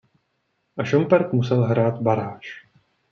A Šumperk musel hrát baráž.